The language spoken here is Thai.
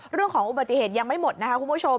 เรื่องของอุบัติเหตุยังไม่หมดนะคะคุณผู้ชม